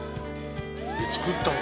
造ったの？